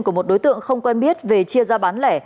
của một đối tượng không quen biết về chia ra bán lẻ